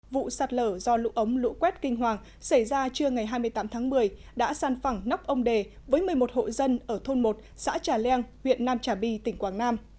vụ sạt lở do lũ ống lũ quét kinh hoàng xảy ra trưa ngày hai mươi tám tháng một mươi đã san phẳng nóc ông đề với một mươi một hộ dân ở thôn một xã trà leng huyện nam trà bi tỉnh quảng nam